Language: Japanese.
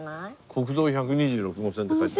国道１２６号線って書いてあるよ。